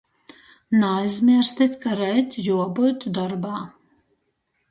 Naaizmierstit, ka reit juobyut dorbā.